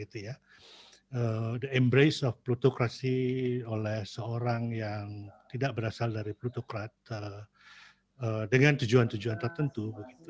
pembangkangan plutokrasi oleh seorang yang tidak berasal dari plutokrati dengan tujuan tujuan tertentu